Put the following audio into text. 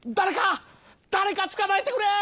だれかつかまえてくれ！」。